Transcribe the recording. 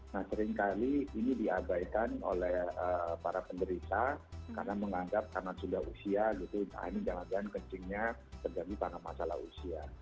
nah seringkali ini diabaikan oleh para penderita karena menganggap karena sudah usia gitu nah ini jangan jangan kencingnya terjadi karena masalah usia